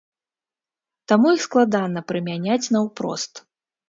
Таму іх складана прымяняць наўпрост.